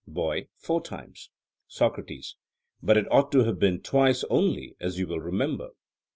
BOY: Four times. SOCRATES: But it ought to have been twice only, as you will remember.